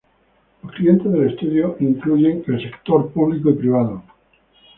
Los clientes del estudio incluyen el sector público y privado.